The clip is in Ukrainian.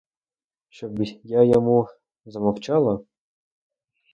Щоб я йому змовчала?